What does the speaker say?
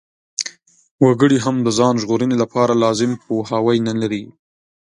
وګړي هم د ځان ژغورنې لپاره لازم پوهاوی نلري.